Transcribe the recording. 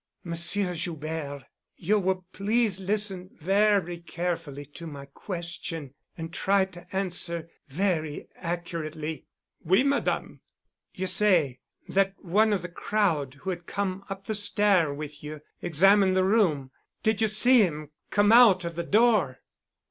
"Monsieur Joubert, you will please listen very carefully to my question and try to answer very accurately." "Oui, Madame." "You say that one of the crowd who had come up the stair with you examined the room. Did you see him come out of the door?"